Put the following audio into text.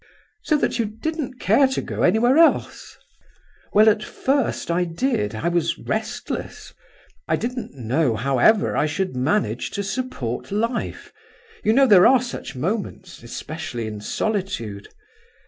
"So that you didn't care to go away anywhere else?" "Well, at first I did; I was restless; I didn't know however I should manage to support life—you know there are such moments, especially in solitude.